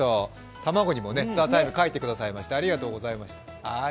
卵にも「ＴＨＥＴＩＭＥ，」書いてくださいまして、ありがとうございました。